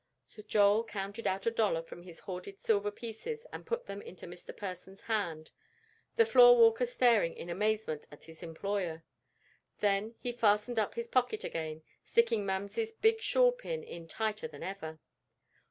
So Joel counted out a dollar from his hoarded silver pieces and put them into Mr. Persons's hand, the floor walker staring in amazement at his employer. Then he fastened up his pocket again, sticking Mamsie's big shawl pin in tighter than ever.